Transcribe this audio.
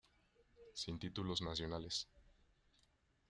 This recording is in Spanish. Sin títulos nacionales.